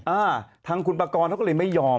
อ่าทางคุณปากรเขาก็เลยไม่ยอม